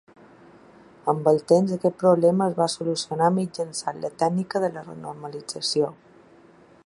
Amb el temps aquest problema es va "solucionar" mitjançant la tècnica de la renormalització.